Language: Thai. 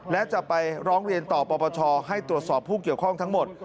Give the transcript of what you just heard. และจะไปร้องเรียนต่อปปชให้ตรวจสอบผู้เกี่ยวข้องทั้งหมด